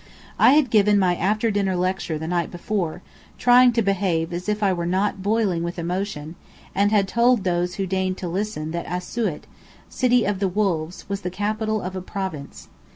I had given my after dinner lecture the night before, trying to behave as if I were not boiling with emotion, and had told those who deigned to listen that Asiut, "City of the Wolves," was the capital of a province.